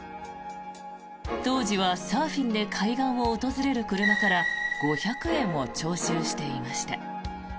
当時はサーフィンで海岸を訪れる車から５００円を徴収していました。